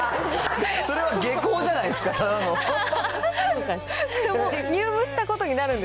それは下校じゃないですか、ただの。